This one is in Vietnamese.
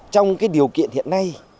trong cái điều kiện hiện nay